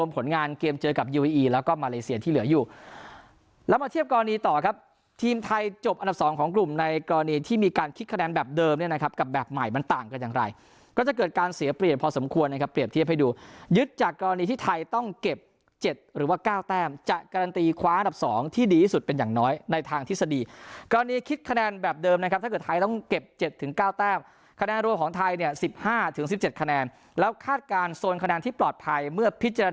พอสมควรนะครับเปรียบเทียบให้ดูยึดจากกรณีที่ไทยต้องเก็บเจ็ดหรือว่าเก้าแต้มจะการันตีคว้าดับสองที่ดีสุดเป็นอย่างน้อยในทางทฤษฎีกรณีคิดคะแนนแบบเดิมนะครับถ้าเกิดไทยต้องเก็บเจ็ดถึงเก้าแต้มคะแนนรวมของไทยเนี่ยสิบห้าถึงสิบเจ็ดคะแนนแล้วคาดการณ์โซนคะแนนที่ปลอดภัยเม